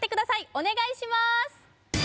お願いします